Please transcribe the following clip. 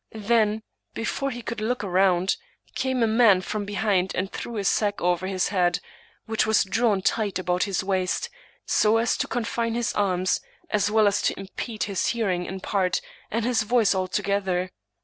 Then, before he could look round, came a man from behind and threw a sack over his head, which was drawn tight about his waist, so as to confine his arms, as well as to impede his hearing in part, and his voice altogether.